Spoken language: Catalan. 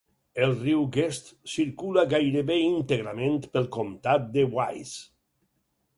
El riu Guest circula gairebé íntegrament pel comtat de Wise.